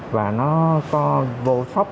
và nó có vô sốc